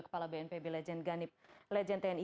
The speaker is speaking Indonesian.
kepala bnpb legend tni